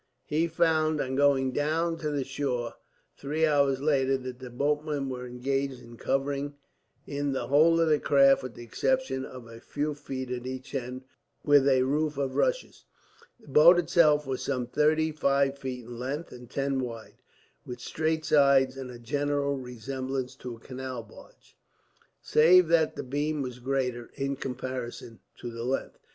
He found, on going down to the shore three hours later, that the boatmen were engaged in covering in the whole of the craft, with the exception of a few feet at each end, with a roof of rushes. The boat itself was some thirty five feet in length and ten wide, with straight sides and a general resemblance to a canal barge, save that the beam was greater in comparison to the length.